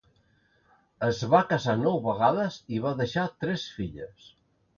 Es va casar nou vegades i va deixar tres filles.